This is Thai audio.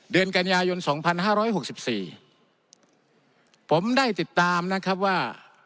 เดือนกัญญายนต์๒๕๖๔ผมได้ติดตามนะครับว่า